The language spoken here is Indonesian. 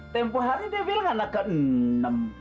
tempoh hari dia bilang anak anak